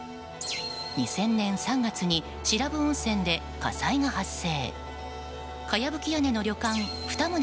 ２０００年３月の白布温泉で火災が発生。